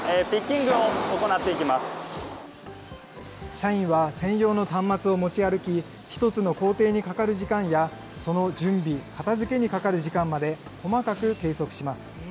社員は専用の端末を持ち歩き、１つの工程にかかる時間や、その準備、片づけにかかる時間まで、細かく計測します。